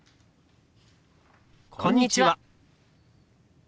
「こんにちは」。